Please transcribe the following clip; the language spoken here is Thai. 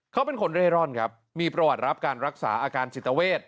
เขาเป็นคนเร่ร่อนครับมีประวัติรับการรักษาอาการจิตเวท